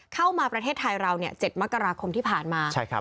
เข้ามาประเทศไทยเรา๗มกราคมที่ผ่านมา